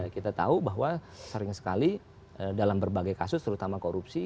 kita tahu bahwa sering sekali dalam berbagai kasus terutama korupsi